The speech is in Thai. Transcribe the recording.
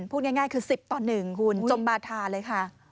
พูดง่ายคือสิบต่อหนึ่งจมบาทาเลยค่ะ